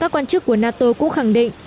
quan chức của nato cũng khẳng định